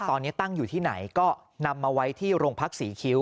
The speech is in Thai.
ตอนนี้ตั้งอยู่ที่ไหนก็นำมาไว้ที่โรงพักศรีคิ้ว